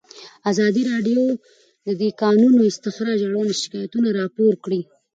ازادي راډیو د د کانونو استخراج اړوند شکایتونه راپور کړي.